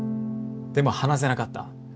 でも話せなかった。